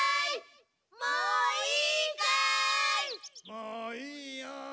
もういいよ。